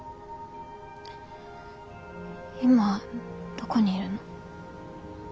今どこにいるの？